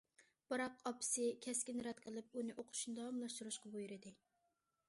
بىراق ئاپىسى كەسكىن رەت قىلىپ، ئۇنى ئوقۇشىنى داۋاملاشتۇرۇشقا بۇيرۇدى.